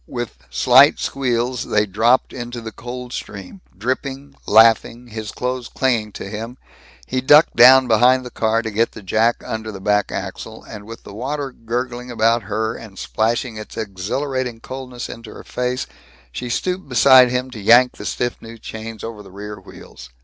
With slight squeals they dropped into the cold stream. Dripping, laughing, his clothes clinging to him, he ducked down behind the car to get the jack under the back axle, and with the water gurgling about her and splashing its exhilarating coldness into her face, she stooped beside him to yank the stiff new chains over the rear wheels.